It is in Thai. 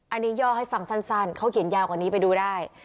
อันนี้ย่อให้ฟังสั้นเขาเขียนยาวกว่านี้ไปดูได้